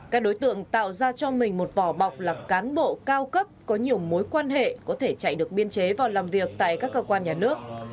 các đối tượng tạo ra cho mình một vỏ bọc là cán bộ cao cấp có nhiều mối quan hệ có thể chạy được biên chế vào làm việc tại các cơ quan nhà nước